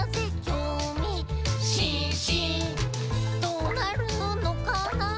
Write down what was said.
「どーなるのかな？